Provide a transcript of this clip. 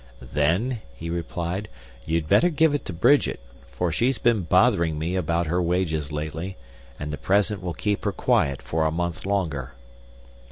"Then," he replied, "you'd better give it to Bridget; for she's been bothering me about her wages lately, and the present will keep her quite for a month longer."